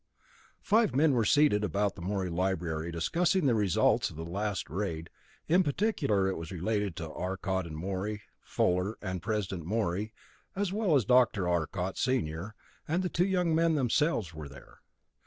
II Five men were seated about the Morey library, discussing the results of the last raid, in particular as related to Arcot and Morey. Fuller, and President Morey, as well as Dr. Arcot, senior, and the two young men themselves, were there.